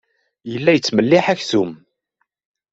Yella yettmelliḥ aksum.